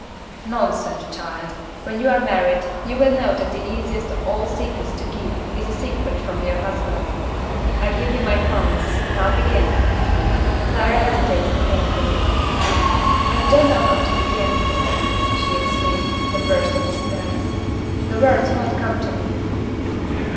"Nonsense, child! When you are married, you will know that the easiest of all secrets to keep is a secret from your husband. I give you my promise. Now begin!" Clara hesitated painfully. "I don't know how to begin!" she exclaimed, with a burst of despair. "The words won't come to me."